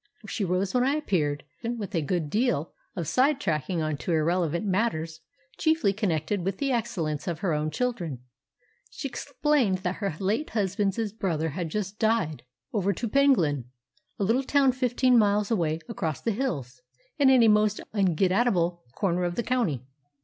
She rose when I appeared, and, with a good deal of side tracking on to irrelevant matters, chiefly connected with the excellence of her own children, she explained that her late husband's brother had just died "over to Penglyn," a little town fifteen miles away across the hills, and in a most un get at able corner of the county.